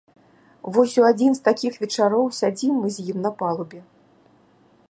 Вось у адзін з такіх вечароў сядзім мы з ім на палубе.